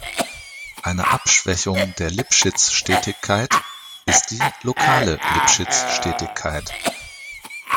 Eine Abschwächung der Lipschitz-Stetigkeit ist die lokale Lipschitz-Stetigkeit.